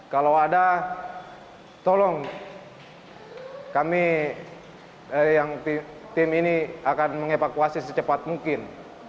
kalau ada tolong kami tim ini akan mengevakuasi secepat mungkin